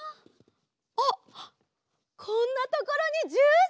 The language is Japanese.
あっこんなところにジュース！